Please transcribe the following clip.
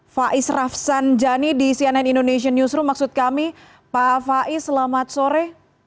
faiz rafsan jani di cnn indonesian newsroom maksud kami pak faiz selamat sore